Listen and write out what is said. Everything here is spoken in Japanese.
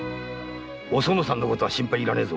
おそのさんのことは心配いらねえぞ。